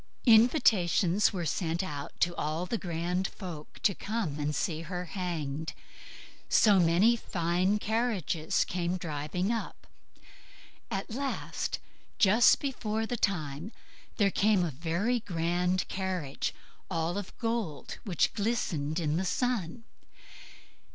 Invitations were sent out to all the grand folk to come and see her hanged; so many fine carriages came driving up. At last, just before the time, there came a very grand carriage, all of gold, which glistened in the sun.